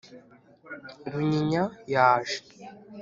runyinya yaje,